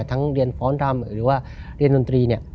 เรียนฟ้อนรำหรือว่าเรียนดนตรีเนี่ย